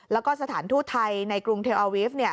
แล้วก็สถานทูตไทยในกรุงเทลอาวิฟต์